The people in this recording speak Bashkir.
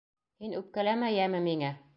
Һин үпкәләмә йәме миңә.